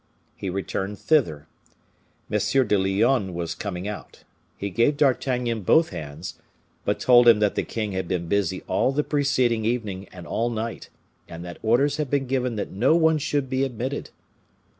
He returned thither. M. de Lyonne was coming out. He gave D'Artagnan both hands, but told him that the king had been busy all the preceding evening and all night, and that orders had been given that no one should be admitted.